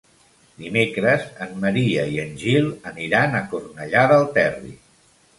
Dimecres en Maria i en Gil aniran a Cornellà del Terri.